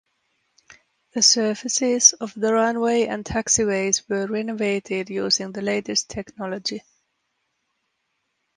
The surfaces of the runway and taxiways were renovated using the latest technology.